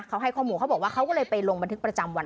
เขาให้ข้อมูลเขาบอกว่าเขาก็เลยไปลงบันทึกประจำวัน